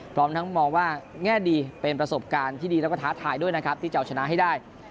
พร้อมทั้งมองว่าแง่ดีเป็นประสบการณ์ที่ดีแล้วก็ท้าทายด้วยนะครับที่จะเอาชนะให้ได้